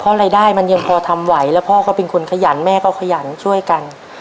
เพราะรายได้มันยังพอทำไหวแล้วพ่อก็เป็นคนขยันแม่ก็ขยันช่วยกัน